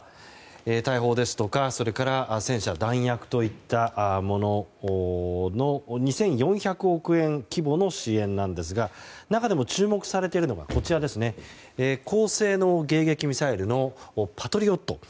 大砲ですとか戦車、弾薬といったものの２４００億円規模の支援なんですが中でも注目されているのが高性能迎撃ミサイルのパトリオット。